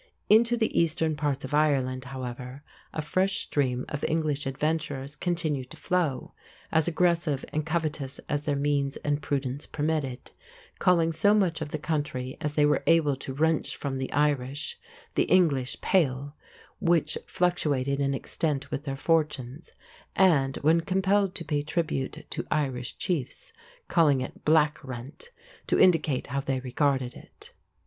Into the eastern parts of Ireland, however, a fresh stream of English adventurers continued to flow, as aggressive and covetous as their means and prudence permitted; calling so much of the country as they were able to wrench from the Irish "the English Pale", which fluctuated in extent with their fortunes; and, when compelled to pay tribute to Irish chiefs, calling it "black rent", to indicate how they regarded it.